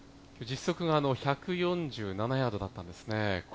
実測１４７ヤードだったんですね。